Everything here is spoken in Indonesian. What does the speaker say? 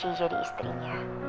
aku udah pacific